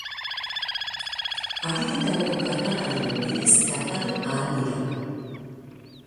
Haririk gabeko kargagailuen bidez kargatu ahal dira.